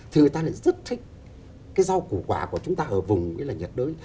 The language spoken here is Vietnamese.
thì người ta lại rất thích cái rau củ quả của chúng ta ở vùng ấy là nhiệt đới